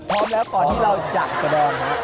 พร้อมแล้วก่อนที่เราจะแสดงฮะ